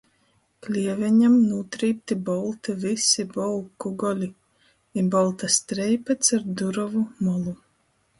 Klieveņam nūtrīpti bolti vysi bolku goli i bolta streipe car durovu molu.